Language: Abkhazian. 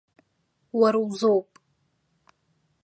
Уара узоуп.